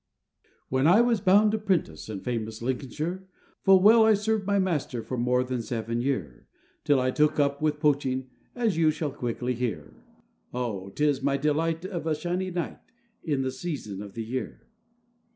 ] WHEN I was bound apprentice, in famous Lincolnsheer, Full well I served my master for more than seven year, Till I took up with poaching, as you shall quickly hear:— Oh! 'tis my delight of a shiny night, in the season of the year.